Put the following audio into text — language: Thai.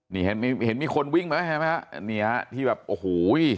นี่เห็นมีเห็นมีคนวิ่งไหมนะฮะนี่ฮะที่แบบโอ้โห